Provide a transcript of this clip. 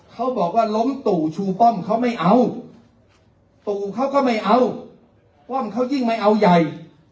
เขาบอกว่าล้มตู่ชูป้อมเขาไม่เอาตู่เขาก็ไม่เอาป้อมเขายิ่งไม่เอาใหญ่